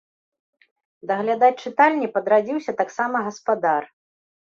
Даглядаць чытальні падрадзіўся таксама гаспадар.